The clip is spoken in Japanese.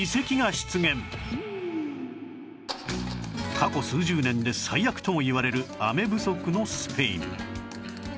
過去数十年で最悪ともいわれる雨不足のスペイン